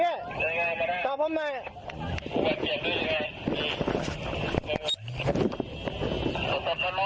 อย่าจะเกิดบันดาล